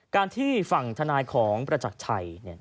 ที่ฝั่งธนายของประจักรชัย